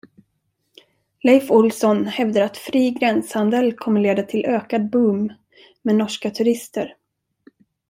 Leif Olsson hävdar att fri gränshandel kommer leda till ökad boom med norska turister.